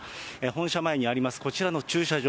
本社前にあります、こちらの駐車場。